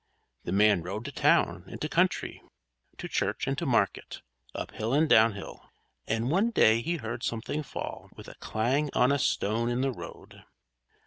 The man rode to town and to country, to church and to market, up hill and down hill; and one day he heard something fall with a clang on a stone in the road.